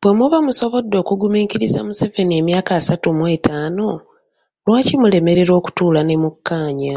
Bwe muba musobodde okugumiikiriza Museveni emyaka asatu mwetaano, lwaki mulemererwa okutuula ne mukkaanya.